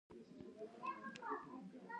ګڼو افریقايي حکومتونو د ړنګېدو بدې پېښې تجربه کړې.